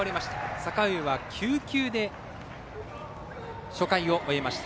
阪上は９球で初回を終えました。